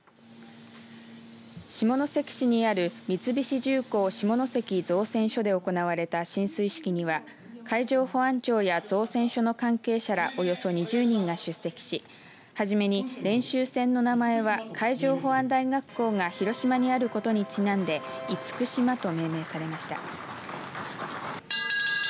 下関市にある三菱重工下関造船所で行われた進水式には海上保安庁や造船所の関係者らおよそ２０人が出席しはじめに練習船の名前は海上保安大学校が広島にあることにちなんでいつくしまと命名されました。